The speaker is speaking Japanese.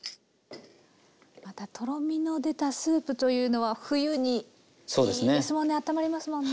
またとろみの出たスープというのは冬にいいですもんねあったまりますもんね。